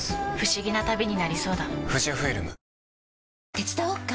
手伝おっか？